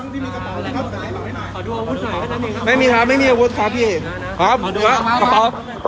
สวัสดีครับครับด้วยครับไม่มีอะไร